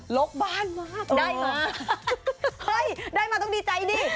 ลกบ้านมากได้มาเฮ้ยได้มาต้องดีใจดิ